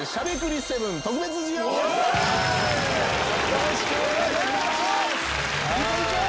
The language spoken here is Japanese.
よろしくお願いします。